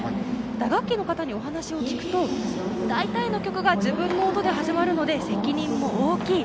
打楽器の方にお話を聞くと大体の曲が自分の音で始まるので責任が大きい。